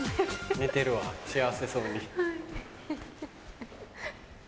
寝てるわ幸せそうに。